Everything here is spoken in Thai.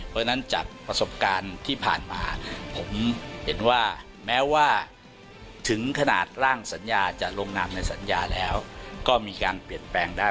เพราะฉะนั้นจากประสบการณ์ที่ผ่านมาผมเห็นว่าแม้ว่าถึงขนาดร่างสัญญาจะลงนามในสัญญาแล้วก็มีการเปลี่ยนแปลงได้